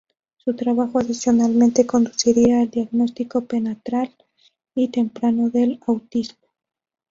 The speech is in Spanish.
Su trabajo adicionalmente conduciría al diagnóstico prenatal y temprano del autismo.